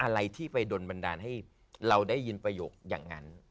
อะไรที่ไปโดนบันดาลให้เราได้ยินประโยคอย่างนั้น